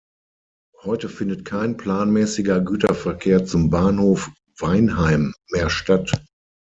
Heute findet kein planmäßiger Güterverkehr zum Bahnhof Weinheim mehr statt.